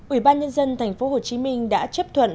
ủy ban nhân dân tp hcm đã chấp thuận